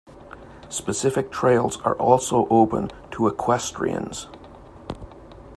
Specific trails are also open to equestrians.